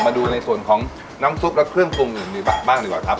มาดูในส่วนของน้ำซุปและเครื่องปรุงอื่นดีกว่าบ้างดีกว่าครับ